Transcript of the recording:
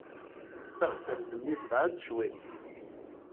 Taɣsert-nni tebɛed cwiṭ.